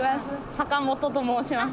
坂本と申します。